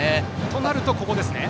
となるとここですね。